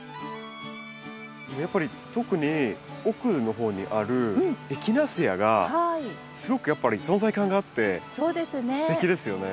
やっぱり特に奥のほうにあるエキナセアがすごくやっぱり存在感があってすてきですよね。